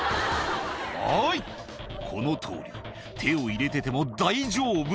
はーい、このとおり、手を入れてても大丈夫。